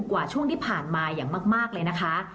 กว่าช่วงที่ผ่านมาอย่างมากเลยนะคะ